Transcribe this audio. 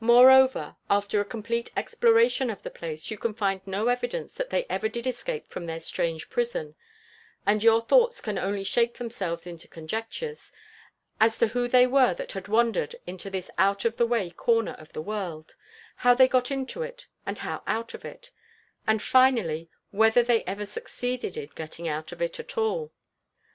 Moreover, after a complete exploration of the place, you can find no evidence that they ever did escape from their strange prison; and your thoughts can only shape themselves into conjectures, as to who they were that had wandered into this out of the way corner of the world; how they got into, and how out of it; and, finally, whether they ever succeeded in getting out at all.